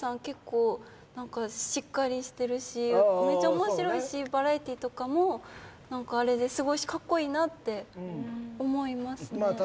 結構しっかりしてるしめっちゃ面白いしバラエティとかも何かあれですごいしかっこいいなって思いますね